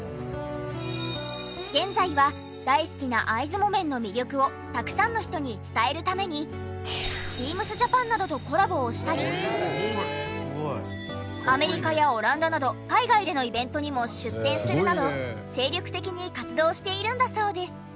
現在は大好きな会津木綿の魅力をたくさんの人に伝えるためにビームスジャパンなどとコラボをしたりアメリカやオランダなど海外でのイベントにも出展するなど精力的に活動しているんだそうです。